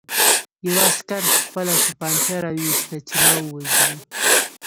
یوه عسکر خپله توپانچه را وویسته چې ما ووژني